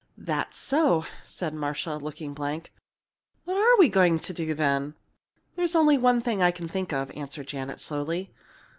"That's so," said Marcia, looking blank. "What are we going to do then?" "There's only one thing I can think of," answered Janet, slowly.